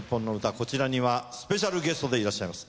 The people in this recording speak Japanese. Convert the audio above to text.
こちらにはスペシャルゲストでいらっしゃいます。